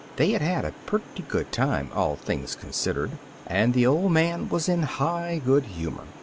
They had had a pretty good time^ all things con sidered, and the old man was in high good humor.